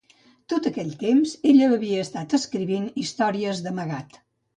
Tot aquell temps, ella havia estat escrivint històries d'amagat.